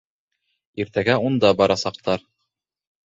Иртәгә унда барасаҡтар.